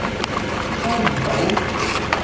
收唔到